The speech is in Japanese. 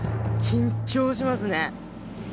緊張しますね。